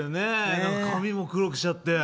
髪も黒くしちゃって。